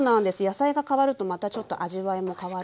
野菜が変わるとまたちょっと味わいも変わるので。